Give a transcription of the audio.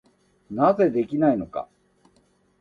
なぜできないのか。